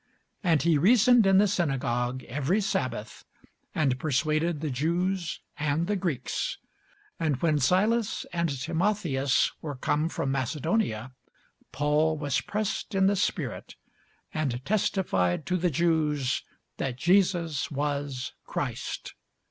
And he reasoned in the synagogue every sabbath, and persuaded the Jews and the Greeks. And when Silas and Timotheus were come from Macedonia, Paul was pressed in the spirit, and testified to the Jews that Jesus was Christ.